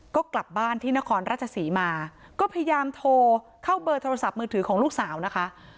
ก็กลับบ้านที่นครราชศรีมาก็พยายามโทรเข้าเบอร์โทรศัพท์มือถือของลูกสาวนะคะ